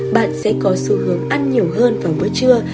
bạn sẽ có xu hướng ăn nhiều hơn vào bữa trưa